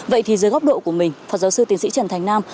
vậy thì dưới góc độ của mình phó giáo sư tiến sĩ trần thành nam